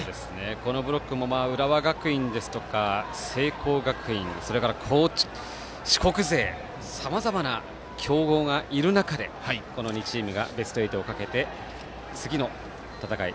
このブロックも浦和学院ですとか聖光学院、四国勢とさまざまな強豪がいる中でこの２チームがベスト８をかけて次の戦い。